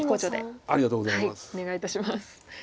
お願いいたします。